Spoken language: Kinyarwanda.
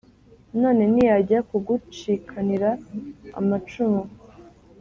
None ntiyajya kugucikanira amacumu